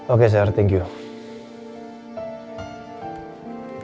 oke seharusnya thank you